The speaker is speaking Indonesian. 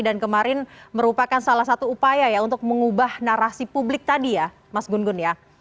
dan kemarin merupakan salah satu upaya ya untuk mengubah narasi publik tadi ya mas gun gun ya